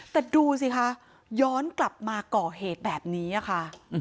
แต่ดูสิคะย้อนกลับมาก่อเหตุแบบนี้ค่ะ